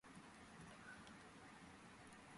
წეკოს სამშობლოა ამერიკა.